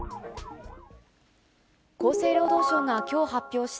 厚生労働省が、きょう発表し